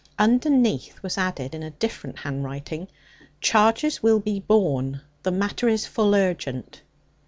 Underneath was added in a different handwriting 'Charges will be borne. The matter is full urgent.'